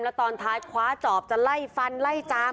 แล้วตอนท้ายคว้าจอบจะไล่ฟันไล่จาม